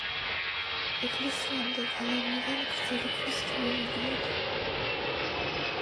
ეკლესიამდე გალავნიდან გრძელი ქვის კიბე მიდიოდა.